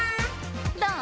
どう？